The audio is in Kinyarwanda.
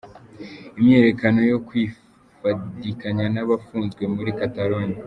Imyiyerekano yo kwifadikanya n'abapfunzwe muri Catalogne.